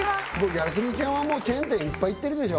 ギャル曽根ちゃんはもうチェーン店いっぱい行ってるでしょ？